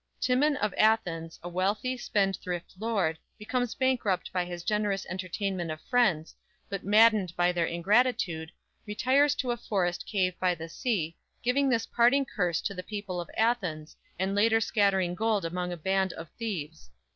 "_ Timon of Athens, a wealthy, spendthrift lord, becomes bankrupt by his generous entertainment of friends, but maddened by their ingratitude, retires to a forest cave by the sea, giving this parting curse to the people of Athens, and later scattering gold among a band of thieves.